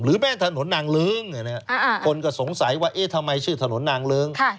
หรือแม่นถนนนางลึงคนก็สงสัยว่าทำไมชื่อถนนนางลึง